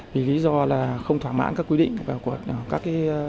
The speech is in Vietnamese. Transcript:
vì lý do là không thỏa mãn các quy định của các